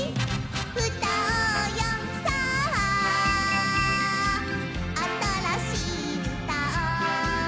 「うたおうよさああたらしいうたを」